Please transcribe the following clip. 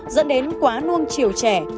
dẫn đến quá nuông chiều trẻ